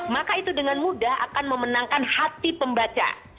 maka itu dengan mudah akan memenangkan hati pembaca